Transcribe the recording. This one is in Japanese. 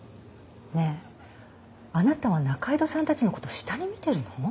ねえあなたは仲井戸さんたちの事を下に見てるの？